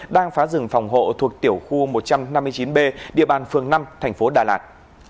đang phá rừng phòng hộ thuộc tiểu khu một trăm năm mươi chín b địa bàn phường năm thành phố đà lạt